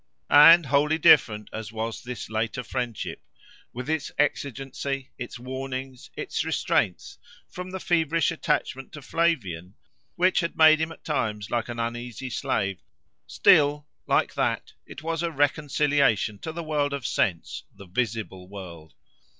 And wholly different as was this later friendship, with its exigency, its warnings, its restraints, from the feverish attachment to Flavian, which had made him at times like an uneasy slave, still, like that, it was a reconciliation to the world of sense, the visible world.